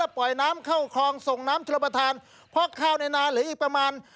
และปล่อยน้ำเข้าคลองส่งน้ำชะลบทานพอกข้าวในนาหรืออีกประมาณ